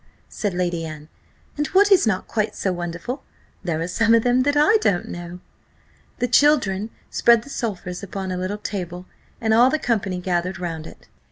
said Lady Anne; "and what is not quite so wonderful, there are some of them that I don't know." The children spread the sulphurs upon a little table, and all the company gathered round it.